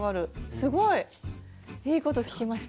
すごい！いいこと聞きました。